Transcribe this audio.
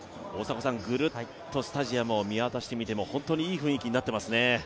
ぐるっとスタジアムを見渡してみても、本当にいい雰囲気になっていますね。